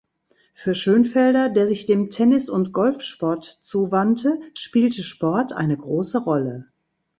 Für Schönfelder, der sich dem Tennis- und Golfsport zuwandte, spielte Sport eine große Rolle.